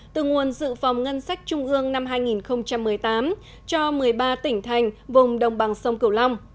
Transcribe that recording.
từ nguồn dự phòng ngân sách trung ương năm hai nghìn một mươi tám cho một mươi ba tỉnh thành vùng đồng bằng sông cửu long